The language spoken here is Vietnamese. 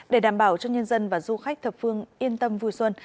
để đảm bảo cho nhân dân và du khách thập phương yên tâm vui xuân